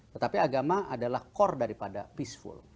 tetapi agama adalah core daripada peaceful